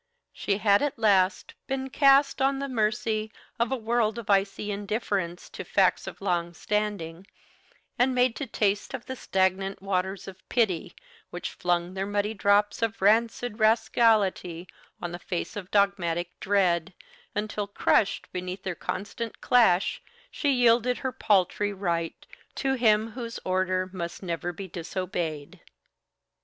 She had at last been cast on the mercy of a world of icy indifference to facts of long standing, and made to taste of the stagnant waters of pity, which flung their muddy drops of rancid rascality on the face of dogmatic dread, until crushed beneath their constant clash she yielded her paltry right to Him Whose order must never be disobeyed.